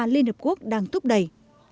liên hợp quốc đang túc đẩy